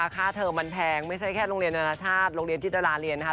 ค่าเทอมมันแพงไม่ใช่แค่โรงเรียนนานาชาติโรงเรียนที่ดาราเรียนนะคะ